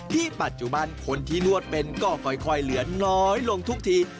ปัจจุบันคนที่นวดเป็นก็ค่อยเหลือน้อยลงทุกที